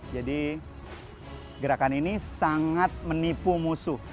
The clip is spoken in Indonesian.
jadi gerakan ini sangat menipu musuh